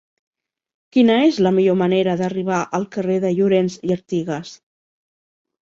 Quina és la millor manera d'arribar al carrer de Llorens i Artigas?